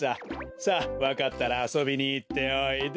さあわかったらあそびにいっておいで。